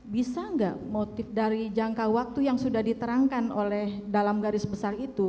bisa nggak motif dari jangka waktu yang sudah diterangkan oleh dalam garis besar itu